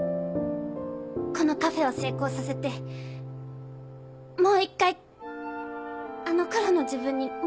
このカフェを成功させてもう一回あの頃の自分に戻りたいの。